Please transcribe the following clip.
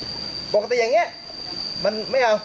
เข้าใจความหมายนะปกติอย่างเงี้ยมันไม่เอา